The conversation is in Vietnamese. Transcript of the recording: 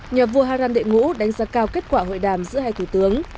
nhà vua hà ràn đệ ngũ đánh giá cao kết quả hội đàm giữa hai thủ tướng